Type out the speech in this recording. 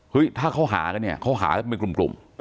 ถ้าเขาหากันเนี่ยเขาหาเป็นกลุ่ม